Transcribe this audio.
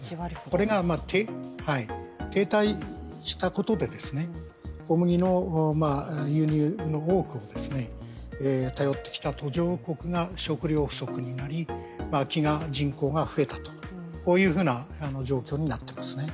これが停滞したことで、小麦の輸入の多くを頼ってきた途上国が食糧不足になり飢餓人口が増えたというふうな状況になっています。